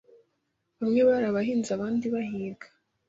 Bamwe bari abahinzi, abandi bahiga.